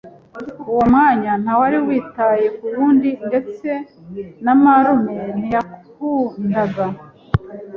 uwo mwanya nta wari witaye ku wundi ndetse na marume ntiyakundaga